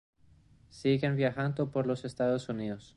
Siguen viajando por los Estados Unidos.